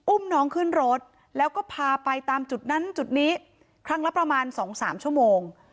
อุ้มน้องขึ้นรถแล้วก็พาไปตามจุดนั้นจุดนี้ครั้งละประมาณ๒๓ชั่วโมง